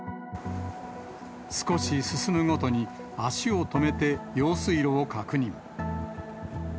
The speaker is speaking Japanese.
少し進むごとに、足を止めて、用水路を確認。